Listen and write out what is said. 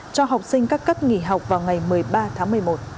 cho học sinh các cấp nghỉ học vào ngày một mươi ba tháng một mươi một